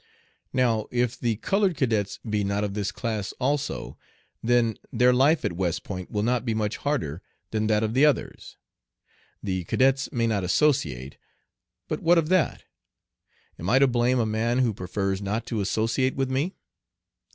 Now if the "colored cadets" be not of this class also, then their life at West Point will not be much harder than that of the others. The cadets may not associate, but what of that? Am I to blame a man who prefers not to associate with me?